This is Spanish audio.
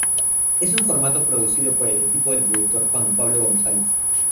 Es un formato producido por el equipo del productor Juan Pablo González.